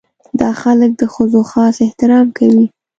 دا خلک د ښځو خاص احترام کوي.